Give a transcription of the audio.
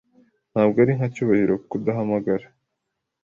Ntabwo ari nka Cyubahiro kudahamagara.